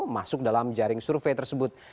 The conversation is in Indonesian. masuk dalam jaring survei tersebut